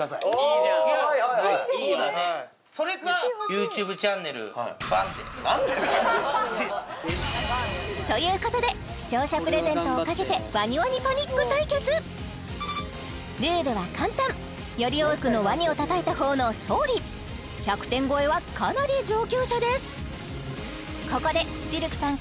欲しい欲しいそれかなんでだよ！ということで視聴者プレゼントをかけてルールは簡単より多くのワニをたたいた方の勝利１００点超えはかなり上級者です